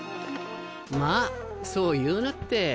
まぁそう言うなって。